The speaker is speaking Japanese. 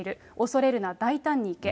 恐れるな、大胆に行け。